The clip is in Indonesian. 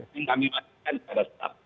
yang kami lakukan pada saat